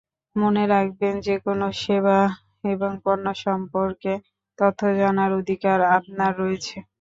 মনে রাখবেন, যেকোনো সেবা এবং পণ্য সম্পর্কে তথ্য জানার অধিকার আপনার রয়েছে।